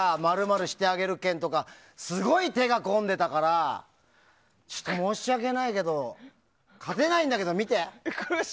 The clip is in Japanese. ○○○○してあげる券とかすごい手が込んでたからちょっと申し訳ないけど勝てないんだけど、見て。